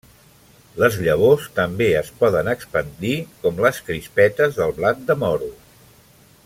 Les llavors també es poden expandir com les crispetes del blat de moro.